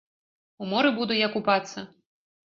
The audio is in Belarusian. У моры буду я купацца?!.